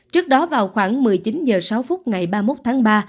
trước đó vào khoảng một mươi chín h sáu phút ngày ba mươi một tháng ba